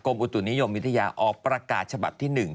อุตุนิยมวิทยาออกประกาศฉบับที่๑